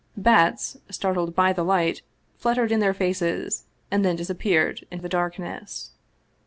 Bats, startled by the light, fluttered in their faces, and then disappeared in the darkness.